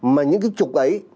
mà những cái trục ấy